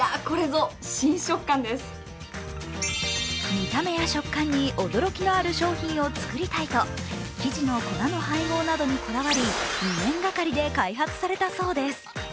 見た目や食感に驚きのある商品を作りたいと、生地の粉の配合などにこだわり２年がかりで開発されたそうです。